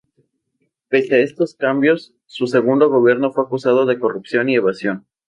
Pese a estos cambios, su segundo gobierno fue acusado de corrupción y evasión.